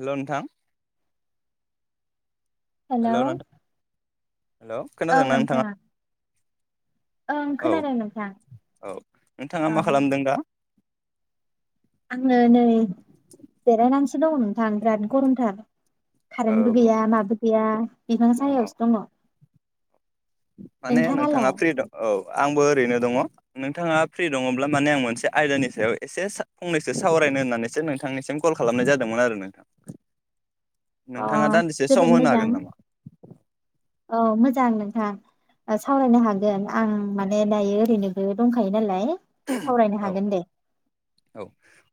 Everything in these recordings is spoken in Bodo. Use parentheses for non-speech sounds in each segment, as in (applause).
हेलौ नोंथां। हेलौ (unintelligible) हेल औ खोनादोंना नोंथां नोंथाङा? ओं औ खोनादों नोंथां औ नोंथाङा औ मा खालामदों दा? आङो नै जेरायनानै सो दं नोंथां बिराद गरम थार। कारेन्टबो औ गैया माबो गैया बिफां औ साहायावसो दङ। माने नोंथाङालाय नोंथाङा फ्रि दं औ। आंबो ओरैनो दङ। नोंथाङा फ्रि दङब्ला माने आं मोनसे आयदानि सायाव एसे सा फंनैसो सावरायनो होननानैसो नोंथांनिसिम कल खालामनाय जादोंमोन आरो नोंथां। अ नोंथाङा दान्दिसे सम जोबोद होनो मोजां हागोन नामा? औ मोजां नोंथां। सावरायनो हागोन आं माने दायो ओरैनोबो दंखायो नालाय। सावरायनो औ हागोन दे औ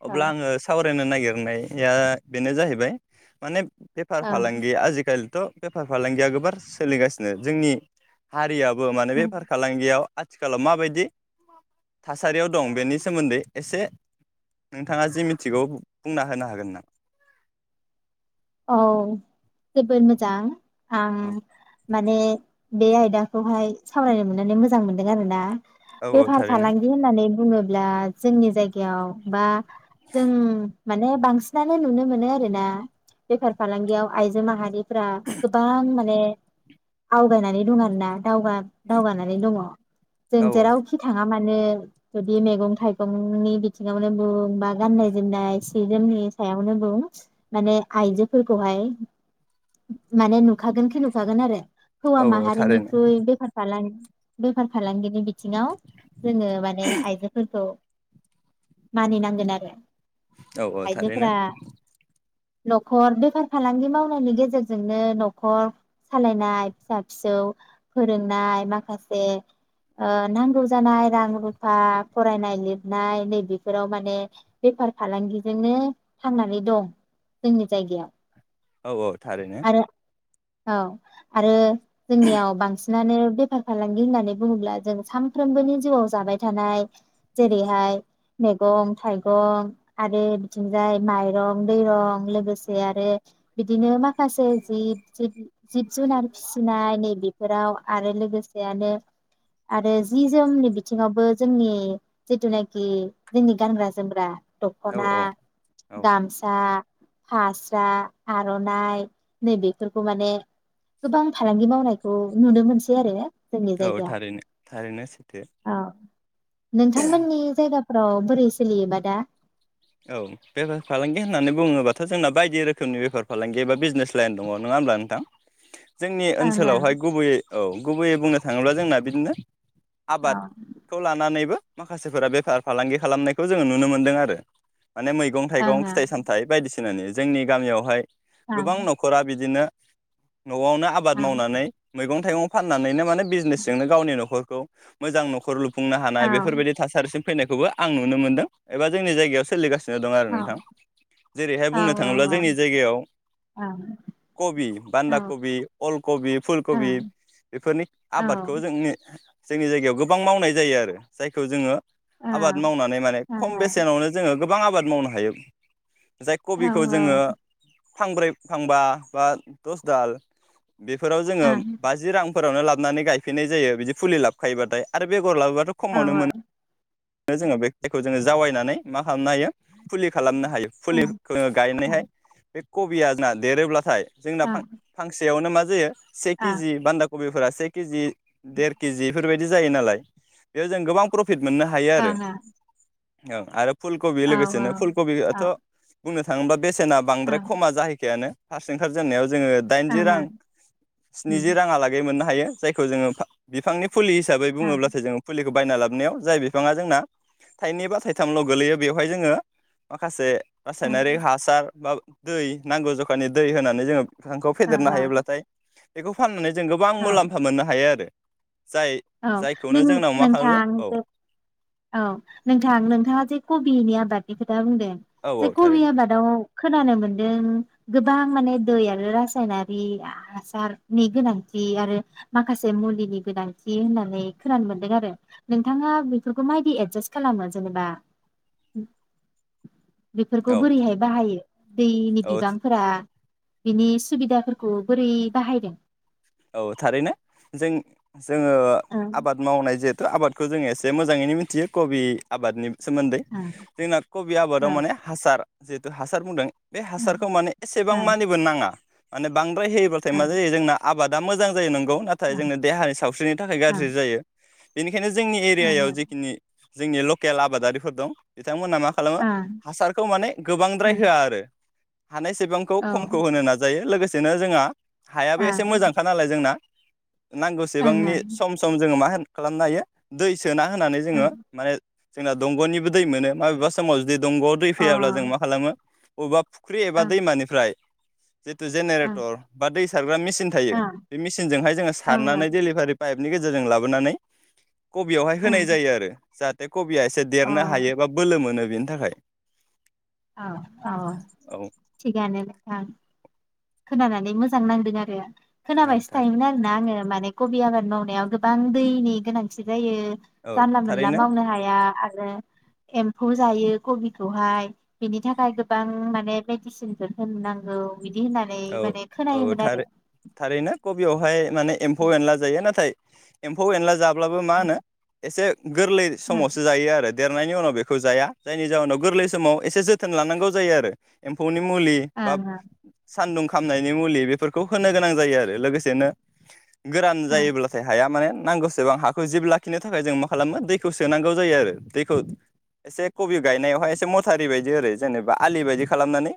औ अब्ला आङो सावरायनो नागिरनाय या बेनो जाहैबाय माने बेफार ओं फालांगि आजिखालिथ बेफार फालांगिया गोबार सोलिगासिनो जोंनि हारिया बो माने ओं बेफार फालांगियाव आथिखालाव माबायदि थासारियाव दं बेनि सोमोन्दै एसे नोंथाङा जि मिथिगौ बुंना होनो हागोन ना? औ। जोबोर मोजां। आ औ माने बे आयदाखौहाय सावरायनो मोननानै मोजां मोन्दों आरो ना। औ औ बेफार थारैनो फालांगि होननानै बुङोब्ला जोंनि जायगायाव बा जों माने बांसिनानो नुनो मोनो आरोना। बेफार फालांगियाव आइजो माहारिफ्रा गोबां माने आवगायनानै दं आरो ना। दावगा-दावगानानै दङ औ जों जेरावखि थाङा। माने जुदि मेगं थाइगंनि बिथिङावनो बुं बा गाननाय जोमनाय सि जोमनि सायावनो बुं माने आइजोफोरखौहाय माने नु खागोन खि नुखागोन आरो हौवा औ औ थारैनो माहारिनिख्रुइ बेफार फालां बेफार फालांगिनि बिथिङाव जोङो माने आइजोफोरखौ मानिनांगोन आरो औ औ थारैनो आइजोफोरा न'खर बेफार फालांगि मावनायनि गेजेरजोंनो न'खर सालायनाय फिसा फिसौ फोरोंनाय माखासे ओ नांगौ जानाय रां रुफा फरायनाय लिरनाय नैबेफोराव माने बेफार फालांगिजोंनो थांनानै दं। जोंनि जायगायाव। औ औ थारैनो। आरो औ आरो जोंनियाव बांसि नानै बेफार फालांगि होननानै बुङोब्ला जों सामफ्रोमबोनि जिउआव जाबाय थानाय जेरैहाय मेगं थाइगं आरो बिथिंजाय माइरं दैरं लोगोसे आरो बिदिनो माखासे जि जि जिब जुनार फिसिनाय नैबेफोराव आरो लोगोस जियानो आरो जि जोमनि बिथिङावबो जोंनि जिथुनाखि जोंनि गानग्रा जोमग्रा औ दखना, औ गामसा फास्रा आरनाइ नैबेफोरखौ माने गोबां फालांगि मावनायखौ नुनो मोनसै आरो जोंनि औ जायगायाव थारैनो थारैनो सैथो औ नोंथांमोननि जायगा फ्राव बोरै सोलियोबा दा? औ बेफार फालांगि होननानै बुङोबाथ' जोंना बायदि रोखोमनि बेफार फालांगि एबा बिजनेस लाइन दङ नङा होमब्ला नोंथां। जोंनि ओं ओं ओनसोलावहाय गुबैयै औ गुबैयै बुंनो थाङोब्ला जोंना बिदिनो औ आबादखौ लानानैबो माखासेफोरा बेफार फालांगि खालामनायखौ जोङो नुनो मोन्दों आरो। माने मैगं थाइगं फिथाइ सामथाइ बायदिस थिनानै जोंनि गामियावहाय गोबां न'खरा बिदिनो न'आवनो आबाद ओं मावनानै मैगं थाइगं फाननानैनो माने बिजनेसजोंनो गावनि न'खर मोजां न'खर लु खुंनो हानाय ओं बेफोरबायदि थासारिसिम फैनायखौबो आं नुनो मोनदों एबा जोंनि जायगायाव सोलिगा दं आरो नोंथां ओं जेरैहाय बुंनो थाङोब्ला जोंनि जायगायाव ओं औ कबि, औ बान्दा कबि, अलकबि, औ फुलकबि बेफोरनि आबादखौ जोंनि जोंनि जायगायाव गोबां मावनाय जायो आरो जायखौ जोङो आबाद ओं मावनानै माने खम बेसेनावनो गोबां आबाद मावनो हायो जाय औ ओं कबिखौ औ जोङो फांब्रै फांबा बा दस दाल बेफोराव जोङो बाजि रां फोरावनो लाबानै गायफिननाय जायो बिदि फुलि लाबखायोबाथाय आरो बे बेगर लाबोबाथखमावनो मोनो बेखौ जोङो जावायनानै मा खालामनो हायो फुलि खालामनो हायो ओं फुलिखो जोङो ओं गायनायहाय बे कबिया जोंना देरोब्लाथाय जोंना ओं औ फां फांसेयावनो मा (unintelligible) सेखि जि बान्दा कबिफोरा से केजि देर केजि बेफोरबायदि जायो नालाय बेयाव जों गोबां प्र प्रफिट मोननो हायो आरो ओं औ औ आरो फुलकबि औ ओं औ ओं लोगोसेनो फुलकबि याथ' बुंनो थाङोबा बे सेना बांद्राय ओं खमा जाहैखायानो फास्ट ओंखार जेननायाव जोङो ओं दाइनजि रां स्निजि राङालागै मोननो हायो जायखौ जोङो फा बिफांनि फुलि हिसाबै बुङोब्लाथाय जों फुलि बायना लाबोनायाव जाय बिफाङा जोंना थाइनै बा थाइथामल गोलैयो बेवहाय जोङो माखासे रासायनारि हासार बा दै नांगौ जखानि दै होनानै जोङो बिफांखौ फेदेरनो हायोब्लाथाय बेखौ फाननानै जों गोबां ओं औ मुलाम्फा मोननो हायो आरो जाय औ जायखौनो नों जोंनाव मा खालामो नोंथां औ औ नोंथां नोंथाङा जे कबिनि आबादनिखो दा बुंदों औ बे औ कबि थारैनो आबादाव खोनानो मोनदों गोबां माने दै आरो रासायनारि हासारनि गोनांथि आरो माखासे मुलिनि गोनां थि होननानै खोनानो मोनदों आरो नोंथाङा बेफोरखौ माबायदि एदजासट खालामो जेनेबा बेफोरखौ औ बोरैहाय बाहायो दैनि औ बिबांफोरा बिनिस सुबिदाफोरखौ बोरै बाहायदों औ थारैनो जों जोङो ओं आबाद मावनाय जेथ थ आबादखौ जोङो एसे मोजाङैनो मिथियो कबि आबादनि सोमोन्दै ओं जोंना कबि आबादाव ओं माने हासार जिहेथु हासार बुंदों बे हासारखौ माने एसेबां ओं मानिबो नाङा आने बां होयोब्लााथाय मा ओं जायो जोंना आबादा मोजां जायो नोंगौ नाथाय ओं जोंनो देहानि सावस्रिनि थाखाय ओं गाज्रि जायो बेनि खायनो जोंनि एरियायाव ओं जेखिनि जोंनि लकेल आबादारिफोर दं बिथांमोना मा खालामो ओं हासारखौ माने गोबांद्राय ओं होआआरो हानाय सेबांखौ औ खमखौ ओं होनो नाजायो लोगो सेनो जोंङा हा बे एसे ओं मोजांखा नालाय जोंना ओं ओं नांगौसेबांनि सम सम जोङो मा होन खालामनो हायो दैस सोना होनानै ओं जोङो माने जोंना दंग'निबो दै मोनो माबेबा समाव जुदि दंगआव दै अ फैयाब्ला जों मा खालामो अबेबा फुख्रि अ एबा दैमानिफ्राय जिथु अ जेनेरेटर बा दै सा (unintelligible) मिचिन थायो अ बे मेसिनजोंहाय जोङो सारनानै डेलिभारि पाइपनि गेजेरजों लाबोनानै कबियावहाय होनाय जायो आरो जाहाथे कबिया एसे देरनो हायो बा बोलो मोनो । बेनि थाखाय । औ-औ थिगानो, ओं खोनानानै मोजां नांदों आरो औ खोनाबायसो थायोमोन आरोना आङो माने कबि आबाद मावनायाव गोबां दैनि गोनांथि जायो । औ जानला मोनला थारैनो मावनो हाया आरो एम्फौ जायो कबिखौहाय बिनि थाखाय गोबां माने मेडिसिनफोर होनो नांगौ होननानै औ, माने औ खोनायोमोन आरो थार-थारैनो कबियावहाय माने एम्फौ ओं एनला जायो ना नाथाय एम्फौ एनला जाब्लाबो मा होनो एसे गोरलै ओं समावसो जायो आरो देरनायनि उनाव बेखौ जाया, जायनि जाहोनाव गोरलै समाव एसे जोथोन लानांगौ जायो आरो एम्फौनि मुलि बा ओं सानदुं खामनायनि मुलि बेफोरखौ होनो गोनां जायो आरो लोगोसेनो गोरान ओं जायोब्लाथाय हाया माने नांगौसेबां हाखौ जिब लाखिनो थाखाय जों मा खालामो दैखौ सोनांगौ जायो आरो दैखौ एसे कबि गायनायावहाय एसे मथारि बायदि ओरै जेनेबा आलि बायदि खालामनानै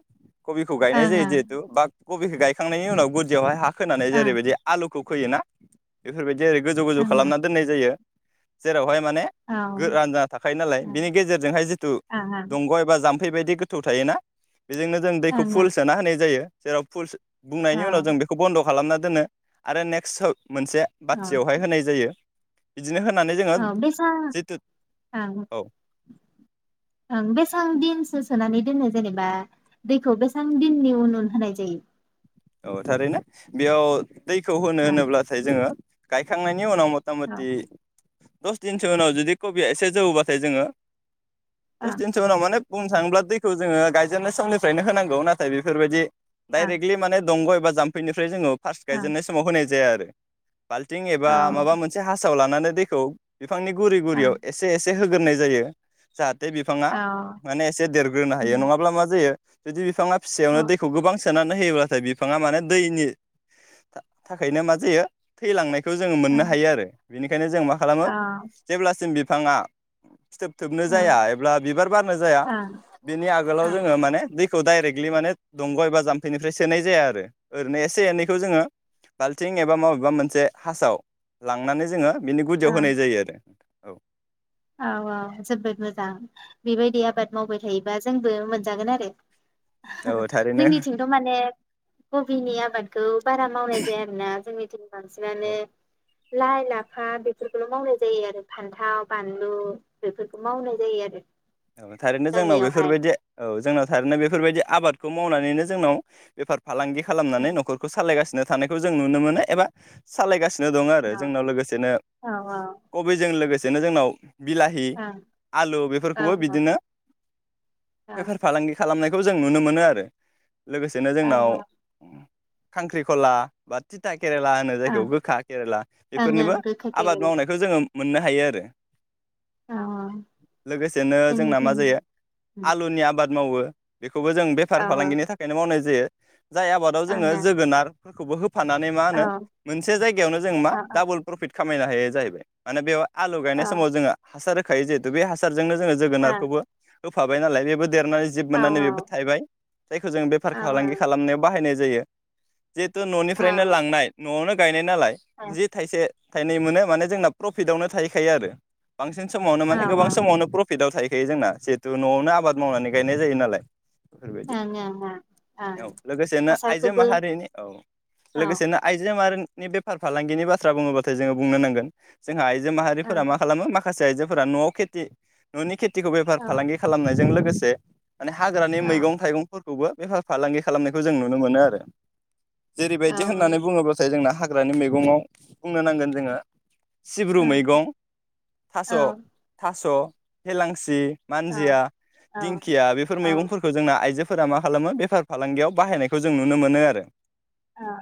कबिखौ गायनाय ओं जायो जे बा कबिखौ गायखांनायनि उनाव गुदियावहाय हा खोनानै ओं जेरैबायदि आलुखौ फैयोना? बेफोरबायदि जेरै गोजौ गोजौ ओं ओं खालामना दोननाय जायो । जेरावहाय माने ओं गोरान जाना थाखायो नालाय बिनि गेजेरजोंहाय जिथु ओं दंग एबा जाम फैबायदि गोथौ थायोना बेजोंनो जों दैखौ ओं फुल सोना होनाय जायो। जेराव फुल सो बुंनायनि उनाव औ जों बेखौ बन्द खालामना दोनो आरो नेक्स्ट मोनसे औ बाथियावहाय होनाय जायो। बिदिनो होनानै जोङो औ बेसां जिथु ओं औ बेसेबां दिनसो सोनानै दोनो जेनेबा दैखौ बेसेबां दिननि उन उन होनाय जायो? औ थारैनो बेयाव दैखौ ओं होनो-होनोब्लाथाय जोङो गायखांनाय नि उनाव औ मथा-मथि दस दिनसो उनाव जुदि कबिया एसे जौवोबाथाय जोङो दस ओं दिनसो उनाव माने बुंनो थाङोब्ला दैखौ जोङो गायजेननाय समनिफ्रायनो होनांगौ नाथाय बेफोरबायदि डायरेक्टलि माने दंग एबा जाम्फैनिफ्राय जोङो फार्स्ट ओं गायजेननाय समाव होनाय जाया आरो। बाल्थिं एबा माबा ओं मोनसे हा साव लानानै दैखौ बिफांनि औ ओं गुरि-गुरियाव एसे-एसे एसे होग्रोनाय जायो जाहा बे बिफाङा औ माने एसे देरग्रोनो हायो उम नङाब्ला मा जायो जुदि बिफाङा औ फिसायावनो दैखौ गोबां (inaudible) होयोब्लाथाय बिफाङा माने दैनि थाखायनो मा जायो थैलांनाय खौ जों मोननो ओं हायो आरो बेनिखायनो जों मा खालामो औ जेब्लासिम बि फाङा फिथोब थोबनो औ जाया एबा बिबार बारनो जाया ओं बेनि आगोलाव ओं जोङो माने दै खौ डाइरेक्टलि माने दंग एबा जाम्फैनिफ्राय सोनाय जाया आरो। आरो ओरैनो एसे एनैखौ जोङो बाल्थिं एबा माबेबा मोनसे हासाव लांनानै जोङो बिनि गुदियाव ओं होनाय जायो आरो औ औ औ जोबोद मोजां बेबायदि आबाद मावबाय थायोबा जोंबो मोनजागोन आरो। औ औ थारैनो जोंनिथिंथ' माने कबिनि आबाद गौ बारा मावनाय जाया आरोना, जोंनि औ बांसिनानो लाइ लाफा बेफोरखौल' मावनाय जायो आरो फान्थाव बानलु बेफोरखौ मावनाय जायो आरो। औ थारैनो जोंनाव गामियावहाय बेफोरबायदि औ जोंनाव थारैनो बेफोरबायदि आबाद खौ मावनानैनो जोंनाव बेफार फालांगि औ खालामनानै न'खरखौ सालायगासिनो थानायखौ जों नुनो मोनो एबा सालायगास नो दं आरो जोंनाव लोगोसेनो औ कबिजों लोगोसे बिदिनो जोंनाव बिलाहि औ आलु बेफोर औ खौबो बिदिनो औ बेफार फालांगि खालामनायखौ खौ जों नुनो मोनो आरो। लोगोसेनो औ जोंनाव औ खांख्रिख'ला बा तिता केरेला होनो जायखौ ओं गोखा केरेला ओं ओं बेफोरनिबो गोखा आबाद केरेला मावनायखौ जोङो मोननो हायो आरो। औ औ लोगोसे नो जोंना मा जोंनिथिं जायो आलुनि आबाद मावो बे खौबो जों औ बेफार फालांगिनि थाखायनो मावनाय जायो। जाय आबादाव जोङो ओं जोगोनार फोरखौबो हो फाननानै मा होनो मोनसे जायगायावनो जों मा ओं औ डाबल प्रफिट खामायनो हायो जाहैबाय माने बेयाव आलु औ गायनाय ओं समाव जोङो हासार होखायो जेहेतु बे हासार। जोंनो जोङो औ जोगोनारखौबो होफाबाय नालाय बेबो देरनानै जिब औ मोननानै बेबो थायबाय जायखौ जों बेफार फालांगि खालामनायाव बाहायनाय जायो। जिहेतु औ औ ननिफ्रायनो लांनाय नआवनो गायनाय। नालाय जि थायसे थाइनै मोनो माने जोंना प्रफिटआवनो थाहैखायो आरो। बांसिन समावनो माने ओं गोबां समावनो (unintelligible) थाहैखायो जोंना जिहेतु न'आवनो आबाद मावनानै गायनाय जायो नालाय। बेफोरबायदि ओं ओं ओं औ लोगोसेनो आइजो हासारखौबो माहारिनि औ औ लोगोसेनो आइजो माहारिनि नि बेफार फालांगिनि बाथ्रा बुङोबाथाय जोङो बुंनो नांगोन जोंहा आय ओं जोमाहारिफोरा मा खालामो मा माखासे आइजोफोरा नआव खेथि ननि खे थिखौ बेफार औ फालांगि खालामनायजों लोगो बेसे? माने हाग्रानि औ मैगं थाइगंफोरखौ खौबो बेफार फालांगि खालामनायखौ जों नुनो मोनो आरो। औ जेरैबायदि ओं होननानै बुङोब्लाथाय जोंना हाग्रानि मैगङाव बुंनो नांगोन जोङो। सिब्रु मैगं थास औ थास। एलांसि। मानजिया औ दिंखिया बेफोर औ मैगंफोरखौ जोंना आइजो फोरा मा खालामो बेफार फालांगियाव बाहायनायखौ जों नुनो मोनो आरो।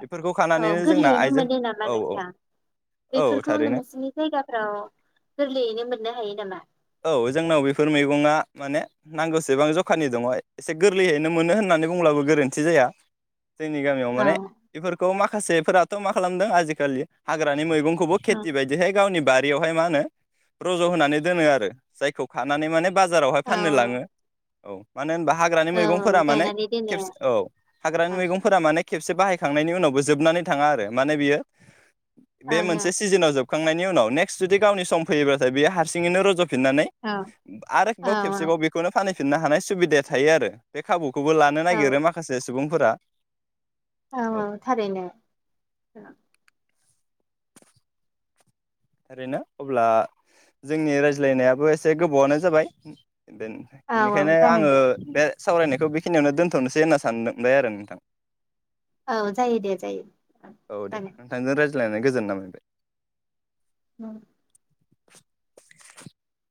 बेफोरखौ औ खानानैनो जोंना गोरलैयैनो आइजो मोनो नामा औ औ नोंथां औ बेफोरखौ थारैनो नोंसिनि जायगाफ्राव गोरलैयैनो मोननो हायो नामा? औ जोंनाव बेफोर मैगङा माने नांगौसेबां जखानि दङ एसे गोरलैयैनो मोनो होननानै बुंब्लाबो गोरोन्थि जाया। जोंनि गामियाव औ माने एफोरखौ मा माखासेफोराथ मा खालामदों आजिखालि हाग्रानि मैगं खौबो औ खेथि बायदिहाय गावनि बा बेवहाय मा होनो रज होनानै दोनो आरो। जायखौ खानानै माने बाजारावहाय औ फाननो लाङो। औ। मानो होनबा हाग्रानि मैगंफोरा औ माने गायनानै दोनो खेबसे औ हाग्रानि मैगंफोरा माने खेबसे बाहायखांनायनि उनावबो जोबनानै थाङा आरो माने बियो बे आङो मोनसे सिजोनाव जोब खांनायनि उनाव नेक्स्ट जुदि गावनि सम फैयोब्लाथाय बे हारसिङैनो रज फिनानै औ आरोबाव औ खेबसेबाव बेखौनो फानै फिननो हानाय सुबिदाया थायो आरो बे खाबु खौबो लानो औ नागिरो माखासे सुबुंफोरा औ औ थारैनो ओरैनो अब्ला जोंनि रायज्लायनायाबो एसे गोबावनो जाबाय ओ औ औ बेनिखायनो जागोन आङो दे बे सावरायनायखौ बेखिनियावनो दोनथ'नोसै होनना सानबाय आरो नोंथां औ जायो दे जायो। (unintelligible) नानै गोजोननाय मोनबाय (unintelligible) (inaudible)